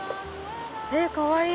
えっかわいい！